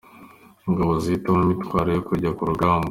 Ingabo zihitamo intwaro zo kujya ku rugamba